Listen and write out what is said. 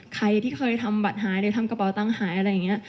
ใครที่เคยทำบัตรหายหรือทำกระเป๋าตังค์หายอะไรอย่างนี้